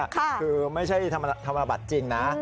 คือไม่ใช่ธรรมบัตรจริงนะ